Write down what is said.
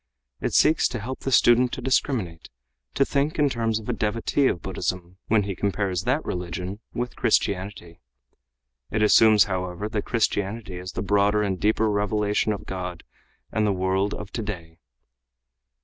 It seeks to help the student to discriminate, to think in terms of a devotee of Buddhism when he compares that religion with Christianity. It assumes, however, that Christianity is the broader and deeper revelation of God and the world of today.